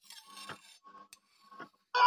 کوم هیواد غواړي محکمه نور هم پراخ کړي؟